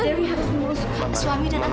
dewi harus melusuh suami dan anaknya